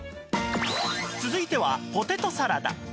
続いてはポテトサラダ